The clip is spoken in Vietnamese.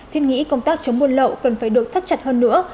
thiết nghĩ công tác chống buôn lậu cần phải được thắt chặt hơn nữa